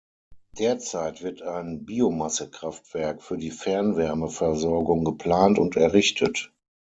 Derzeit wird ein Biomasse-Kraftwerk für die Fernwärmeversorgung geplant und errichtet.